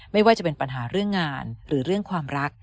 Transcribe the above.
ไม่ว่าจะเป็นปัญหาเรื่องงานหรือเรื่องความรัก